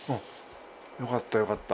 よかったよかった。